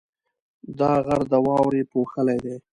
دا غر د واورو پوښلی دی.